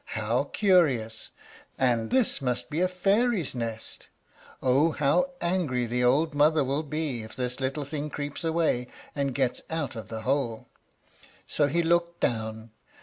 "How curious! and this must be a fairy's nest. Oh, how angry the old mother will be if this little thing creeps away and gets out of the hole!" So he looked down.